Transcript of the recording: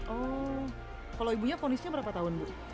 oh kalau ibunya ponisnya berapa tahun bu